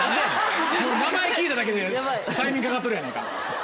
名前聞いただけで催眠かかっとるやんか。